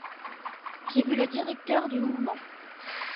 J’ai vu le directeur du Mouvement …